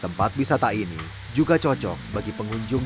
tempat wisata ini juga cocok bagi pengunjung